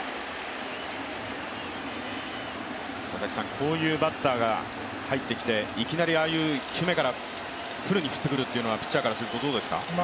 こういうバッターが入ってきて、いきなり１球目からフルに振ってくるというのはピッチャーからするとどうですか。